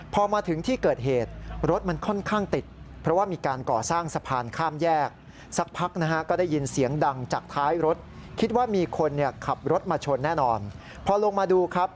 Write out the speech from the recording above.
พอมาถึงที่เกิดเหตุรถมันค่อนข้างติด